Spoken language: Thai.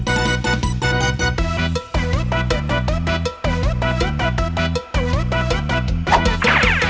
โอ๊ะ